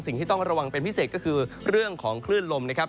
สิ่งที่ต้องระวังเป็นพิเศษก็คือเรื่องของคลื่นลมนะครับ